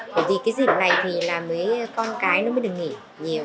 bởi vì dịp này thì con cái mới được nghỉ nhiều